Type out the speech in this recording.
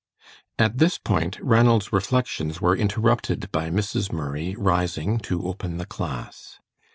At this point Ranald's reflections were interrupted by Mrs. Murray rising to open the class.